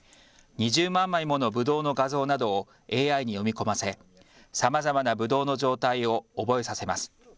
２０万枚ものぶどうの画像などをＡＩに読み込ませさまざまなぶどうの状態を覚えさせます。